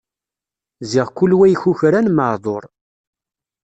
Ziɣ kul wa ikukran, meεduṛ.